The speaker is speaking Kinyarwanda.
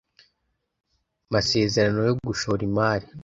masezerano yo gushora imari